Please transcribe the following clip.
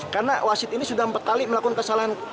karena wasit ini sudah empat kali melakukan kesalahan